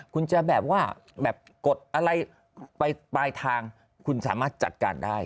คุณจะแบบว่าแบบกดอะไรไปปลายทางคุณสามารถจัดการได้